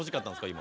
今。